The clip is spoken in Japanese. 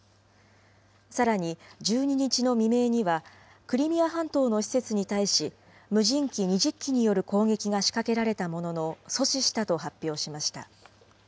さらに、１２日の未明には、クリミア半島の施設に対し、無人機２０機による攻撃が仕掛けられたものの、阻止したと発表しました。